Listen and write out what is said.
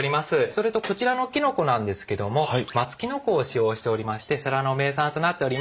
それとこちらのきのこなんですけども松きのこを使用しておりまして世羅の名産となっております。